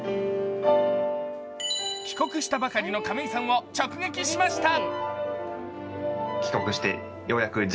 帰国したばかりの亀井さんを直撃しました。